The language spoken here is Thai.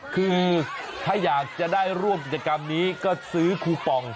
คือถ้าอยากจะได้ร่วมกิจกรรมนี้ก็ซื้อคูปอง